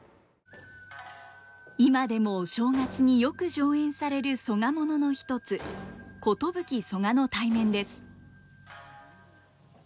今でもお正月によく上演される曽我ものの一つ「寿曽我対面」です。